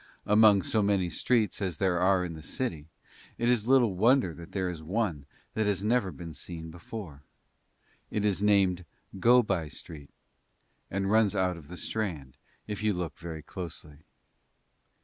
Among so many streets as there are in the city it is little wonder that there is one that has never been seen before; it is named Go by Street and runs out of the Strand if you look very closely.